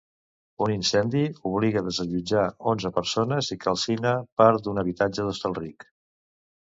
Un incendi obliga desallotjar onze persones i calcina part d'un habitatge d'Hostalric.